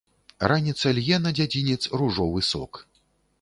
Раніца лье на дзядзінец ружовы сок.